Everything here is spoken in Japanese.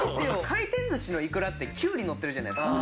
回転寿司のイクラってキュウリのってるじゃないですか。